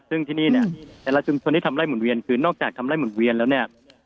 ซึ่งที่นี่เนี่ยแต่ละชุมชนที่ทำไล่หุ่นเวียนคือนอกจากทำไล่หุ่นเวียนแล้วเนี่ย